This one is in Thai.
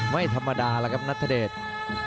ไม่ธรรมดาหรอกครับนัทเดชน์